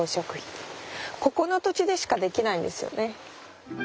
ここの土地でしかできないんですよね。